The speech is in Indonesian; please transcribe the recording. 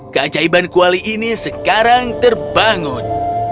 keajaiban kuali ini sekarang terbangun